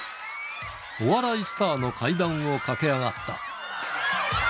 お笑いスターの階段を駆け上がった。